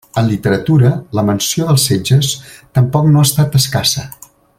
En literatura, la menció dels setges tampoc no ha estat escassa.